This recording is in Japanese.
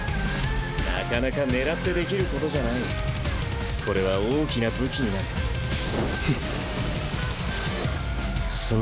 なかなか狙ってできることじゃないこれは大きな武器になるふっ。